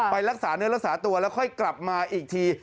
ไปรักษาเนื้อรักษาตัวแล้วค่อยกลับมาอีกที